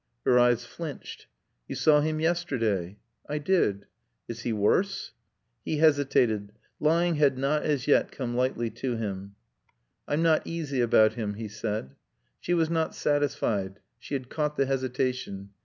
Her eyes flinched. "You saw him yesterday." "I did." "Is he worse?" He hesitated. Lying had not as yet come lightly to him. "I'm not easy about him," he said. She was not satisfied. She had caught the hesitation.